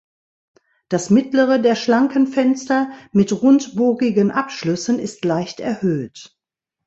Das mittlere der schlanken Fenster mit rundbogigen Abschlüssen ist leicht erhöht.